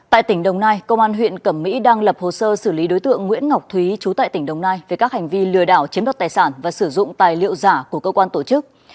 tại tỉnh đồng nai công an huyện cẩm mỹ đang lập hồ sơ xử lý đối tượng nguyễn ngọc thúy trú tại tỉnh đồng nai về các hành vi lừa đảo chiếm đoạt tài sản và sử dụng tài liệu giả của cơ quan tổ chức